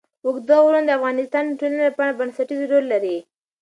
اوږده غرونه د افغانستان د ټولنې لپاره بنسټيز رول لري.